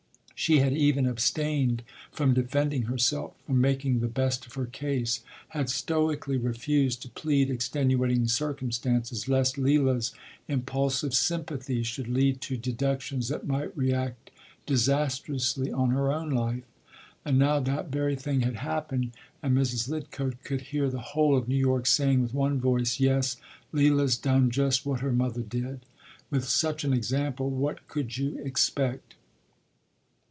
She had even abstained from defending herself, from making the best of her case, had stoically refused to plead extenuating circumstances, lest Leila’s impulsive sympathy should lead to deductions that might react disastrously on her own life. And now that very thing had happened, and Mrs. Lidcote could hear the whole of New York saying with one voice: “Yes, Leila’s done just what her mother did. With such an example what could you expect?